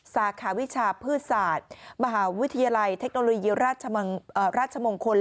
สาขาวิชาพืชศาสตร์มหาวิทยาลัยเทคโนโลยีราชมงคล